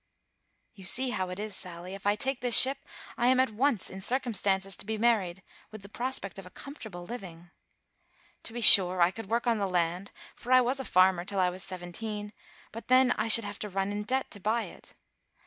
"You see how it is, Sally, if I take this ship, I am at once in circumstances to be married, with the prospect of a comfortable living. To be sure, I could work on the land, for I was a farmer till I was seventeen; but then I should have to run in debt to buy it.